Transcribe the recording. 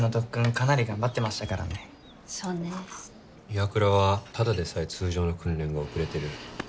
岩倉はただでさえ通常の訓練が遅れてる。